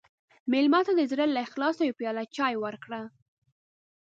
مېلمه ته د زړه له اخلاصه یوه پیاله چای ورکړه.